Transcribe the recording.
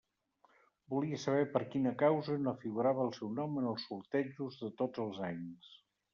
Volia saber per quina causa no figurava el seu nom en els sortejos de tots els anys.